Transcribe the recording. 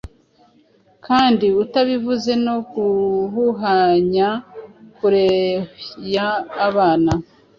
kandi utabivuze, no guhuhanya, kurehya, abana